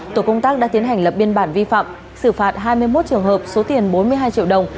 tổ công tác đã tiến hành lập biên bản vi phạm xử phạt hai mươi một trường hợp số tiền bốn mươi hai triệu đồng